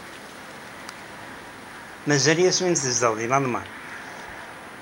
Mazal Jasmin tezdeɣ deg Lalman?